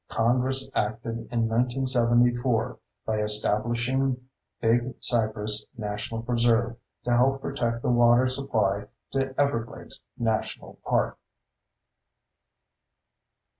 Congress acted in 1974 by establishing Big Cypress National Preserve to help protect the water supply to Everglades National Park.